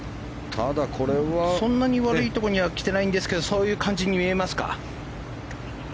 そんなに悪いところには来てないんですけどそういう感じに見えますか。